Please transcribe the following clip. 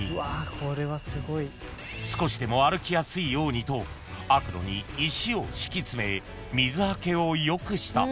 ［少しでも歩きやすいようにと悪路に石を敷き詰め水はけを良くした］